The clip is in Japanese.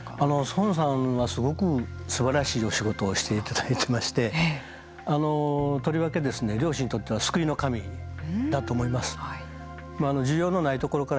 孫さんはすごくすばらしいお仕事をしていただいてましてあのとりわけですね漁師にとっては救いの神だと思います。